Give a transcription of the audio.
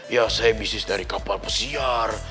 ya saya bisnis dari kapal pesiar